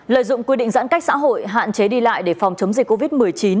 lợi dụng quy định giãn cách xã hội hạn chế đi lại để phòng chống dịch covid một mươi chín